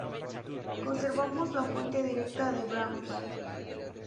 Conservamos la fuente directa de Brahms.